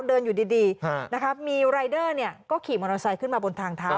เดินอยู่ดีมีรายเดอร์ก็ขี่มอเตอร์ไซค์ขึ้นมาบนทางเท้า